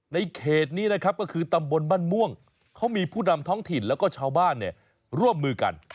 เขตนี้นะครับก็คือตำบลบ้านม่วงเขามีผู้นำท้องถิ่นแล้วก็ชาวบ้านร่วมมือกัน